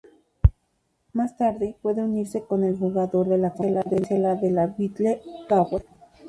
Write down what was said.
Más tarde, puede unirse con el jugador en la competencia de la Battle Tower.